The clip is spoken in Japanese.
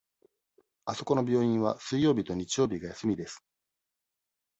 あそこの病院は水曜日と日曜日が休みです。